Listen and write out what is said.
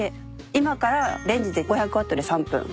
今からレンジで５００Ｗで３分。は。